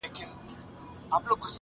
هغه زلمو او بوډاګانو ته منلی چنار!